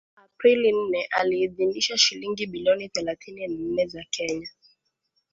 Aprili nne aliidhinisha shilingi bilioni thelathini na nne za kenya